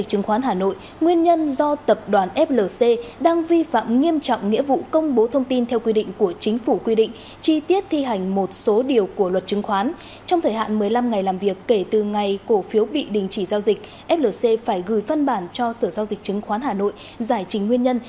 trước khi bị đình chỉ giao dịch flc phải gửi phân bản cho sở giao dịch chứng khoán hà nội giải trình nguyên nhân